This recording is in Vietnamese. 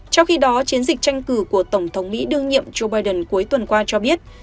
trong khi đó chiến dịch tranh cử của tổng thống mỹ đương nhiệm joe biden cuối tuần qua cho biết